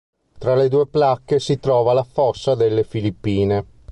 Tra le due placche si trova la Fossa delle Filippine.